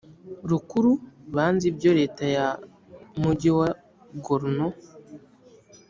rukuru banze ibyo leta ya mugi wa gorno